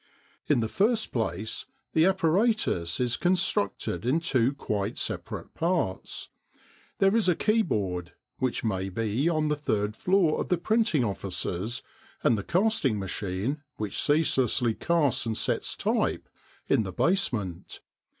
In the first place, the apparatus is constructed in two quite separate parts. There is a keyboard, which may be on the third floor of the printing offices, and the casting machine, which ceaselessly casts and sets type in the basement.